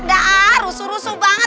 da'a rusu rusu banget